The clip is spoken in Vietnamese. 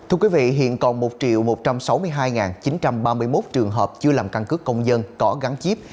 hiện còn một một trăm sáu mươi hai chín trăm ba mươi một trường hợp chưa làm căn cứ công dân có gắn chip